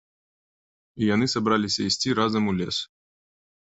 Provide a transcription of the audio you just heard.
І яны сабраліся ісці разам у лес